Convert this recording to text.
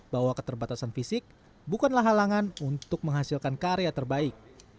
bahwa keterbatasan fisik bukanlah halangan untuk menghasilkan karya terbaik